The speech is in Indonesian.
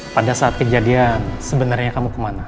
pada saat kejadian sebenarnya kamu kemana